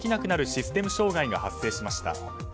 システム障害が発生しました。